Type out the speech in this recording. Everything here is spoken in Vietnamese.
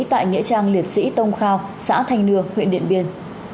tại nghệ trang liệt sĩ tông khao xã thanh nương huyện điện biên